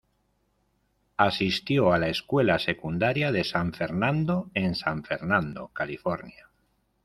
Asistió a la escuela Secundaria de San Fernando en San Fernando, California.